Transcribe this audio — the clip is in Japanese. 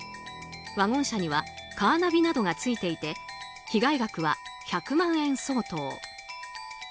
ワゴン車にはカーナビなどがついていて被害額は１００万円相当。